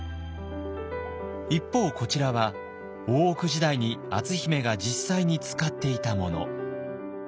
一方こちらは大奥時代に篤姫が実際に使っていたもの。